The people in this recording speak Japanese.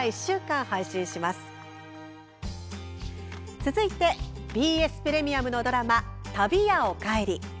続いて、ＢＳプレミアムのドラマ「旅屋おかえり」。